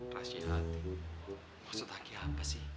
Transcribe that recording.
rahasia hati maksud aki apa sih